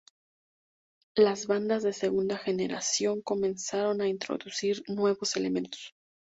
Las bandas de segunda generación comenzaron a introducir nuevos elementos.